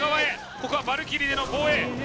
ここはバルキリーでの防衛。